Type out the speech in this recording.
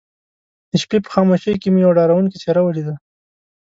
د شپې په خاموشۍ کې مې يوه ډارونکې څېره وليده.